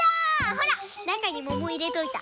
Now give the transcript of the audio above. ほらなかにももいれといた。